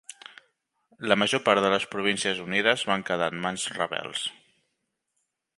La major part de les Províncies Unides van quedar en mans rebels.